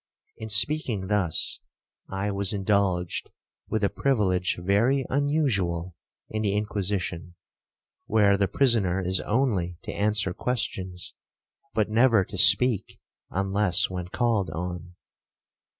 In speaking thus, I was indulged with a privilege very unusual in the Inquisition, where the prisoner is only to answer questions, but never to speak unless when called on.